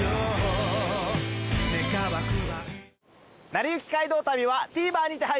『なりゆき街道旅』はＴＶｅｒにて配信中です。